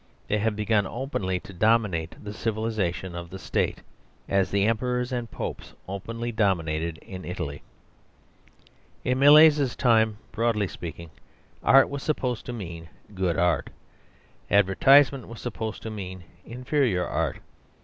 They have begun openly to dominate the civilisation of the State, as the emperors and popes openly dominated in Italy. In Millais's time, broadly speaking, art was supposed to mean good art; advertisement was supposed to mean inferior art.